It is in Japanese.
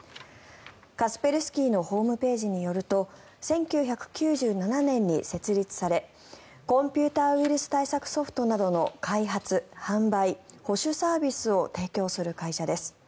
カスペルスキーのホームページによると１９９７年に設立されコンピューターウイルス対策ソフトなどの開発・販売・保守サービスを提供する会社です。